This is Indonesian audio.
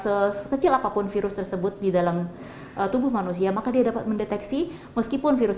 sekecil apapun virus tersebut di dalam tubuh manusia maka dia dapat mendeteksi meskipun virus